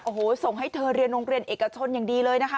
โอ้โหส่งให้เธอเรียนโรงเรียนเอกชนอย่างดีเลยนะคะ